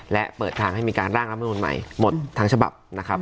และเปิดทางให้มีการร่างรัฐมนุนใหม่หมดทั้งฉบับนะครับ